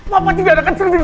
bapak juga ada kan risiko